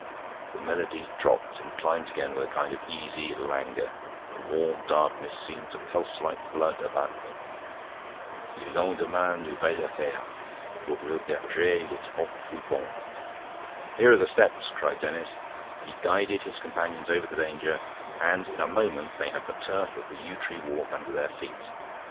The melody drooped and climbed again with a kind of easy languor; the warm darkness seemed to pulse like blood about them. "Le lendemain, nouvelle affaire: Pour le berger le troc fut bon..." "Here are the steps," cried Denis. He guided his companions over the danger, and in a moment they had the turf of the yew tree walk under their feet.